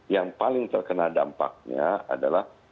yang paling terkena dampaknya adalah